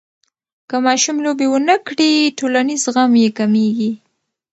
که ماشوم لوبې ونه کړي، ټولنیز زغم یې کمېږي.